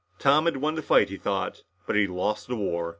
Tom had won the fight, he thought, but he had lost the war.